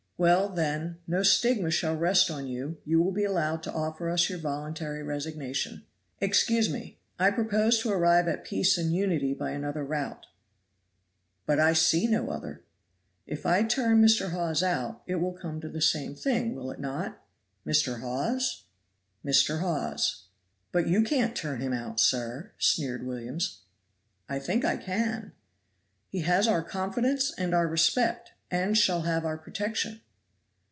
"Well, then, no stigma shall rest on you you will be allowed to offer us your voluntary resignation." "Excuse me, I propose to arrive at peace and unity by another route." "But I see no other." "If I turn Mr. Hawes out it will come to the same thing, will it not?" "Mr. Hawes?" "Mr. Hawes." "But you can't turn him out, sir," sneered Williams. "I think I can." "He has our confidence and our respect, and shall have our protection."